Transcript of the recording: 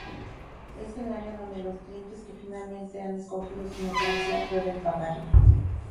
Es el área donde los clientes que finalmente han escogido su mercancía, pueden pagarla.